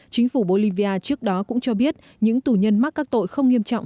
chính phủ bolivia trước đó cũng cho biết những tù nhân mắc các tội không nghiêm trọng